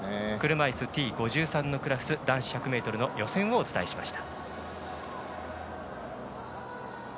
車いすＴ５３のクラス男子１００ｍの予選をお伝えしました。